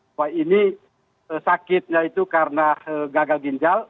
bahwa ini sakitnya itu karena gagal ginjal